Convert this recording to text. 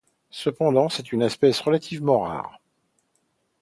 Cependant, c'est une espèce relativement rare.